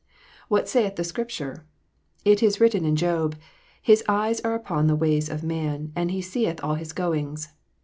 What saith the Scripture 1 It is written in Job, " His eyes are upon the ways of man, and He seeth all his goings.